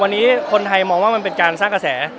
วันนี้คนไทยมองว่ามันเป็นการสร้างกระแส